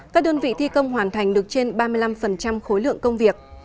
các đơn vị thi công hoàn thành được trên ba mươi năm khối lượng công việc